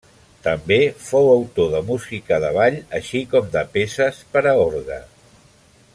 També fou autor de música de ball, així com de peces per a orgue.